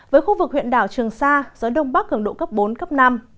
với khu vực huyện đảo trường sa gió đông bắc cường độ cấp bốn cấp năm